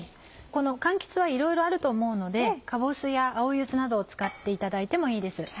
この柑橘はいろいろあると思うのでかぼすや青ユズなどを使っていただいてもいいです。